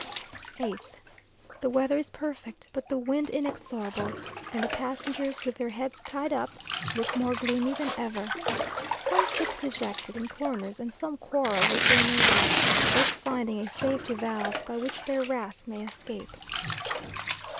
8th. The weather is perfect, but the wind inexorable; and the passengers, with their heads tied up, look more gloomy than ever. Some sit dejected in corners, and some quarrel with their neighbours, thus finding a safety valve by which their wrath may escape.